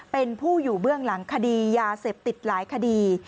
เป็นผู้อยู่เบื้องหลังคดียาเสพติดหลายคดี